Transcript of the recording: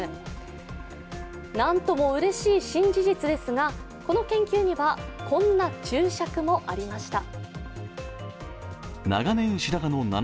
なんともうれしい新事実ですがこの研究にはこんな注釈もありました。